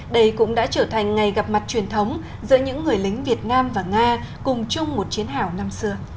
đây cũng đã trở thành ngày gặp mặt truyền thống giữa những người lính việt nam và nga cùng chung một chiến hào năm xưa